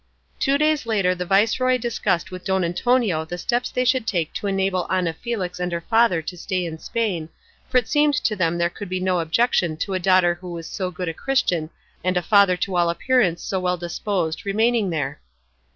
Two days later the viceroy discussed with Don Antonio the steps they should take to enable Ana Felix and her father to stay in Spain, for it seemed to them there could be no objection to a daughter who was so good a Christian and a father to all appearance so well disposed remaining there.